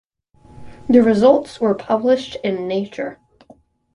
The results were published in Nature.